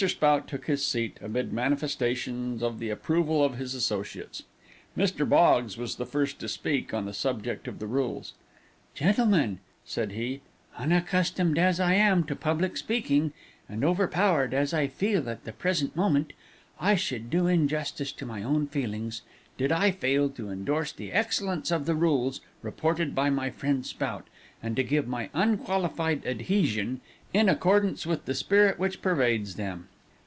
Spout took his seat, amid manifestations of the approval of his associates. Mr. Boggs was the first to speak on the subject of the rules. "Gentlemen," said he, "unaccustomed as I am to public speaking, and overpowered as I feel at the present moment, I should do injustice to my own feelings, did I fail to endorse the excellence of the rules reported by my friend Spout, and to give my unqualified adhesion, in accordance with the spirit which pervades them."